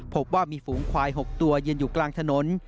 พบว่ามีฝูงควาย๖ตัวยืนอยู่กลางถนน